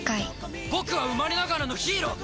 僕は生まれながらのヒーロー！